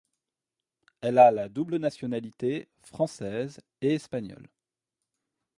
Elle a la double nationalité française et espagnole.